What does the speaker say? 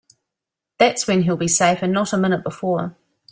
That's when he'll be safe and not a minute before.